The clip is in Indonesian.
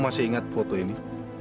masih ingat foto ini